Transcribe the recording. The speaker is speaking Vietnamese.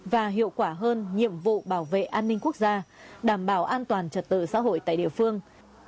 và hiệu quả hơn nhiệm vụ bảo vệ an ninh quốc gia đảm bảo an toàn trật tự xã hội tại địa phương